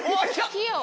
「器用」？